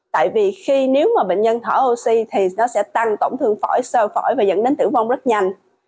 tại vì khi nếu mà bệnh nhân thở oxy thì nó sẽ tăng tổn thương phổi sơ phổi và dẫn đến tử vong rất nhanh